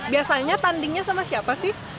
biasanya tandingnya sama siapa sih